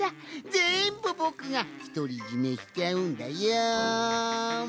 ぜんぶぼくがひとりじめしちゃうんだよん。